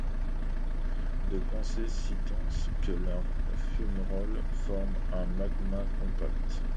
De pensées si denses que leurs fumerolles forment un magma compact.